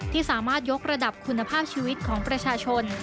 ที่สามารถยกระดับคุณภาพชีวิตของประชาชน